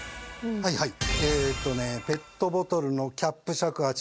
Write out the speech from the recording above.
はいはい。